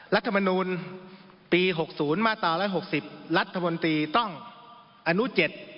รัฐมนูลปี๖๐มาตรา๑๖๐รัฐมนตรีต้องอนุเจ็ด